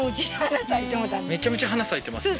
めちゃめちゃ花咲いてますね